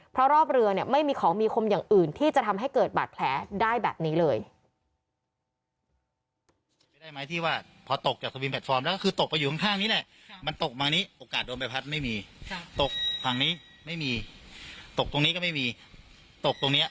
เพราะรอบเรือเนี่ยไม่มีของมีคมอย่างอื่นที่จะทำให้เกิดบาดแผลได้แบบนี้เลย